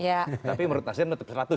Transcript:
ya tapi menurut nasdem tetap seratus gitu